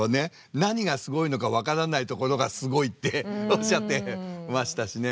「何がすごいのか分からないところがすごい」っておっしゃってましたしね。